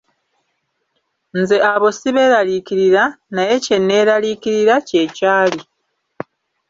Nze abo sibeeraliikirira, naye kye neeneraliikirira kye kyali.